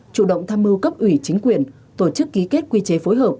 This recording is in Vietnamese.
chủ động tham mưu cấp ủy chính quyền tổ chức ký kết quy chế phối hợp